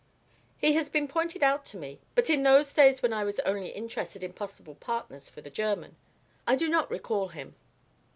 "He has been pointed out to me, but in those days when I was only interested in possible partners for the German. I do not recall him."